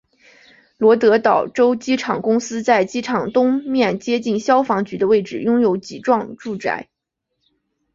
罗德岛州机场公司在机场东面接近消防局的位置拥有几幢住宅。